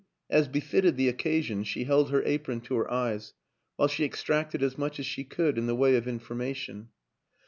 As befitted the occasion she held her apron to her eyes while she extracted as much as she could in the way of information.